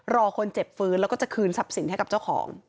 รอคนเจ็บฟื้นแล้วก็จะคืนทรัพย์สินให้กับเจ้าของ